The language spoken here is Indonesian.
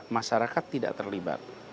masyarakat tidak terlibat